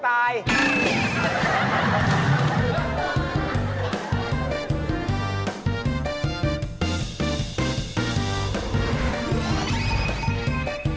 สวัสดีครับ